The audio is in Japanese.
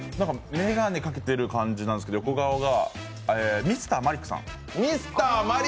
眼鏡かけてる感じなんですけど、横顔がＭｒ．マリックさん？